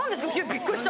びっくりした！